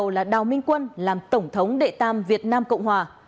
trưng cầu dân ý bầu là đào minh quân làm tổng thống đệ tam việt nam cộng hòa